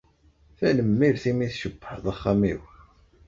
Tanemmirt i mi tcebbḥeḍ axxam-iw.